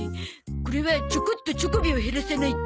これはチョコっとチョコビを減らさないと。